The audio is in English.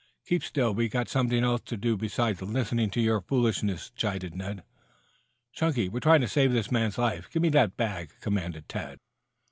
"Keep still. We've got something else to do besides listening to your foolishness," chided Ned. "Chunky, we're trying to save this man's life. Give me that bag," commanded Tad.